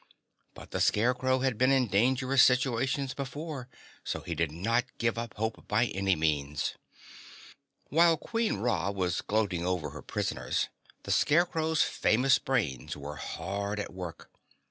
But the Scarecrow had been in dangerous situations before, so he did not give up hope by any means. While Queen Ra was gloating over her prisoners, the Scarecrow's famous brains were hard at work.